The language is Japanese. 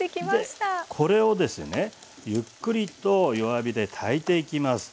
でこれをですねゆっくりと弱火で炊いていきます。